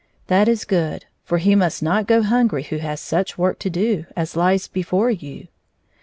"That is good; for he must not go hungry who has such work to do as lies before you."